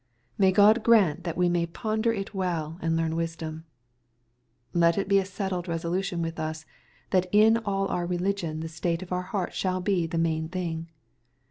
May God grant that we may ponder it well and learn wisdoifl ! m Let it be a settled resolution with us, that in all our religion the state of our hearts shall be«the main thing.